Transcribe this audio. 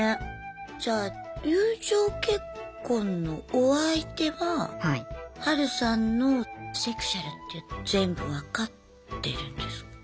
じゃあ友情結婚のお相手はハルさんのセクシュアルって全部分かってるんですか？